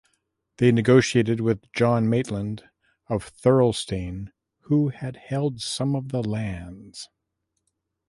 They negotiated with John Maitland of Thirlestane who had held some of the lands.